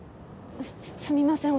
すみません。